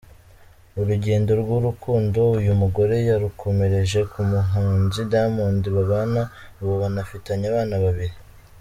Urugendo rw’urukundo uyu mugore yarukomereje ku muhanzi Diamond babana ubu banafitanye abana babiri.